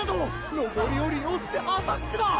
登りを利用してアタックだ！！